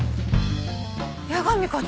矢上課長！